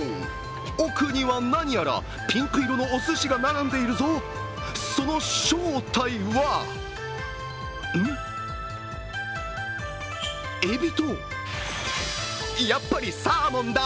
奥には何やらピンク色のおすしが並んでいるぞその正体は、エビと、やっぱりサーモンだ。